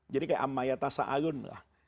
jadi kayak amma ya tasa alun lah